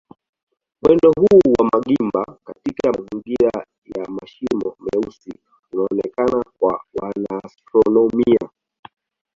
Mwendo huu wa magimba katika mazingira ya mashimo meusi unaonekana kwa wanaastronomia.